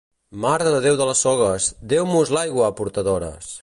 Mare de Déu de les Sogues, deu-mos l'aigua a portadores!